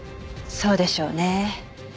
そうでしょうね。